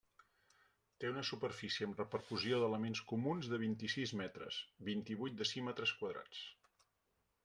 Té una superfície amb repercussió d'elements comuns de vint-i-sis metres, vint-i-vuit decímetres quadrats.